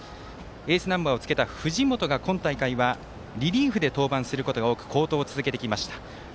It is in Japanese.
エースナンバーをつけた藤本が今大会はリリーフで登板することが多く好投を続けてきました。